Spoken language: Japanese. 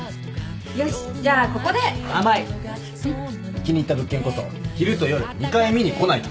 気に入った物件こそ昼と夜２回見に来ないと。